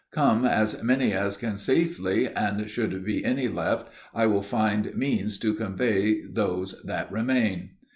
Come as many as can safely and, should any be left, I will find means to convey those that remain."